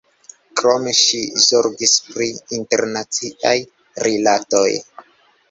Krome ŝi zorgis pri internaciaj rilatoj.